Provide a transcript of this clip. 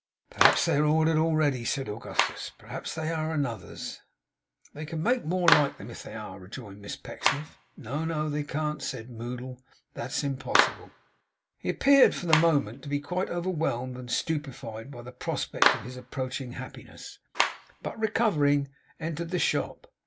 'Perhaps they are ordered already,' said Augustus. 'Perhaps they are Another's.' 'They can make more like them, if they are,' rejoined Miss Pecksniff. 'No, no, they can't,' said Moddle. 'It's impossible!' He appeared, for the moment, to be quite overwhelmed and stupefied by the prospect of his approaching happiness; but recovering, entered the shop.